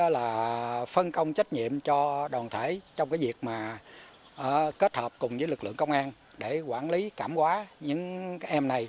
để phân công trách nhiệm cho đoàn thể trong việc kết hợp cùng lực lượng công an để quản lý cảm hóa những em này